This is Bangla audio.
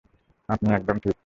আপনি একদম ঠিক।